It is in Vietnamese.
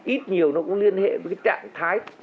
ít nhiều nó cũng liên hệ với trạng thái